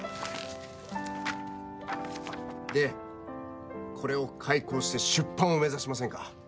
で、これを改稿して出版を目指しませんか？